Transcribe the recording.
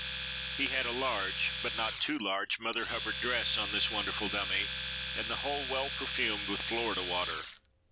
He had a large, but not too large, Mother Hubbard dress on this wonderful dummy, and the whole well perfumed with Florida water.